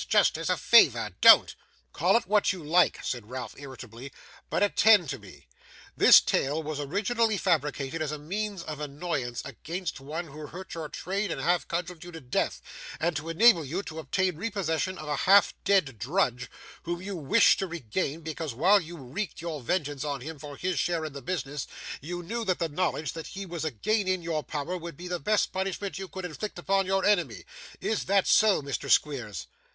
Just as a favour, don't.' 'Call it what you like,' said Ralph, irritably, 'but attend to me. This tale was originally fabricated as a means of annoyance against one who hurt your trade and half cudgelled you to death, and to enable you to obtain repossession of a half dead drudge, whom you wished to regain, because, while you wreaked your vengeance on him for his share in the business, you knew that the knowledge that he was again in your power would be the best punishment you could inflict upon your enemy. Is that so, Mr. Squeers?